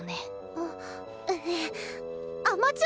あっ。